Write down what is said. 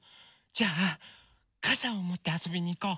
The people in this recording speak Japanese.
じゃあかさをもってあそびにいこう。